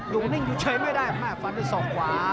อยู่นิ่งอยู่เฉยไม่ได้แม่ฟันด้วยศอกขวา